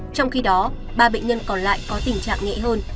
trong khi đó ba bệnh nhân còn lại có tình trạng nhẹ hơn